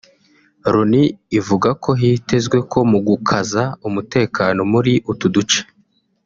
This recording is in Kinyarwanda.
Loni ivuga ko hitezwe ko mu gukaza umutekano muri utu duce